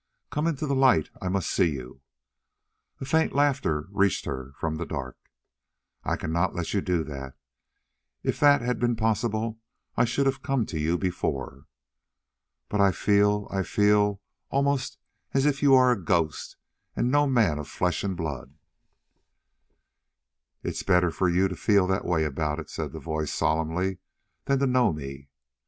"Come into the light. I must see you." A faint laughter reached her from the dark. "I cannot let you do that. If that had been possible I should have come to you before." "But I feel I feel almost as if you are a ghost and no man of flesh and blood." "It is better for you to feel that way about it," said the voice solemnly, "than to know me."